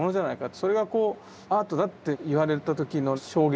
それがこうアートだって言われた時の衝撃。